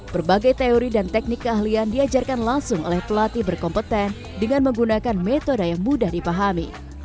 berbagai teori dan teknik keahlian diajarkan langsung oleh pelatih berkompeten dengan menggunakan metode yang mudah dipahami